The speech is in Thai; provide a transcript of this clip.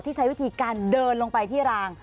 ใช้วิธีการเดินลงไปที่ราง